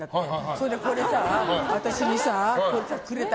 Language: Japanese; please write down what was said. それで、これさ私にさ、くれた！